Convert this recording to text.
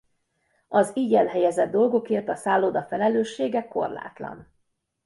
Az így elhelyezett dolgokért a szálloda felelőssége korlátlan.